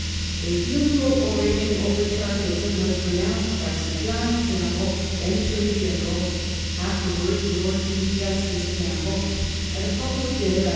A funeral oration over Chartism was pronounced by Sir John Campbell, then Attorney General, after wards Lord Chief Justice Campbell, at a public dinner 1839.